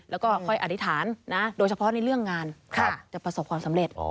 แล้วก็ค่อยอธิษฐานโดยเฉพาะในเรื่องงานจะประสบความสำเร็จ